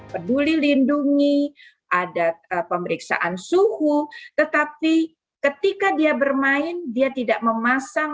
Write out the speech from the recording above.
peduli lindungi ada pemeriksaan suhu tetapi ketika dia bermain dia tidak memasang